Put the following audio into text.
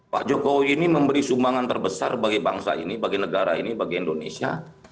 pak jokowi ini memberi sumbangan terbesar bagi bangsa ini bagi negara ini bagi indonesia